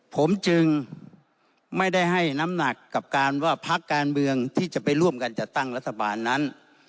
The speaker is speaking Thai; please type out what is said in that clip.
ผมจึงไม่ได้ให้น้ำหนักกับการว่าพักการเมืองที่จะไปร่วมกันจัดตั้งรัฐบาลนั้น